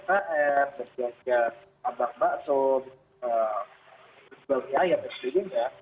dan berbelanja tambang mbang atau belanja yang tersebut ya